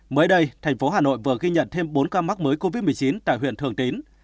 mới đây thành phố hà nội vừa ghi nhận thêm bốn ca mắc mới covid một mươi chín tại huyện thường tín